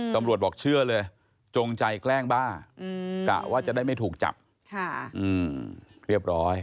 บอกเชื่อเลยจงใจแกล้งบ้ากะว่าจะได้ไม่ถูกจับเรียบร้อย